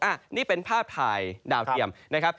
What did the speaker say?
อันนี้เป็นภาพถ่ายดาวเทียมนะครับ